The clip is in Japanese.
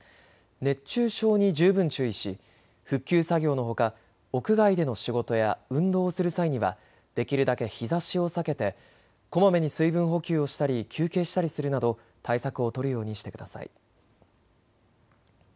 熱中症に十分注意し復旧作業のほか、屋外での仕事や運動をする際にはできるだけ日ざしを避けてこまめに水分補給をしたり休憩したりするなど対策を取るようにしてください。